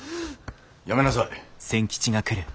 やめなさい。